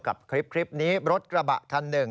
กับคลิปนี้รถกระบะคันหนึ่ง